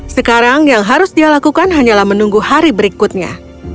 sekarang yang harus dia lakukan hanyalah menunggu hari berikutnya